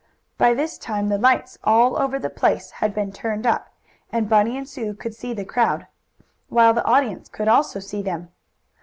By this time the lights all over the place had been turned up, and Bunny and Sue could see the crowd, while the audience could also see them.